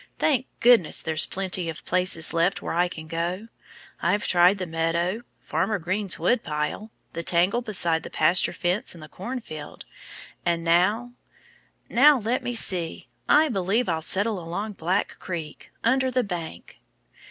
Thank goodness there's plenty of places left where I can go. I've tried the meadow, Farmer Green's woodpile, the tangle beside the pasture fence and the cornfield. And now now let me see! I believe I'll settle along Black Creek, under the bank."